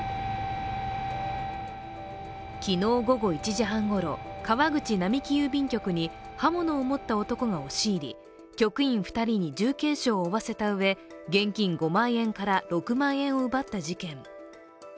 昨日午後１時半ごろ、川口並木郵便局に刃物を持った男が押し入り局員２人に重軽傷を負わせたうえ現金５万円から６万円を奪った事件。